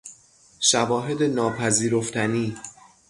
شواهد ناپذیرفتنی